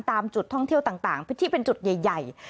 ตามจุดท่องเที่ยวต่างพื้นที่เป็นจุดใหญ่